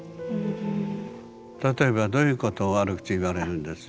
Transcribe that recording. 例えばどういうこと悪口言われるんです？